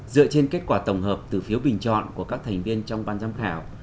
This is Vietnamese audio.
dựa trên kết quả tổng hợp từ phiếu bình chọn của các thành viên trong ban giám khảo